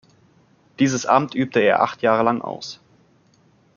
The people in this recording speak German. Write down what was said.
Dieses Amt übte er acht Jahre lang aus.